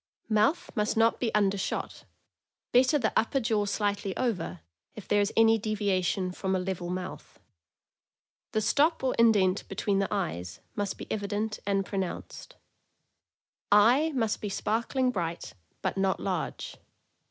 Mouth must not be undershot; better the upper jaw slightly over, if there is any deviation from a level mouth. The stop or indent between the eyes must be evi dent and pronounced. Eye must be sparkling bright, but not large.